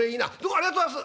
「ありがとうございます」。